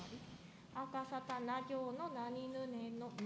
あかさたな行のなにぬねの、の。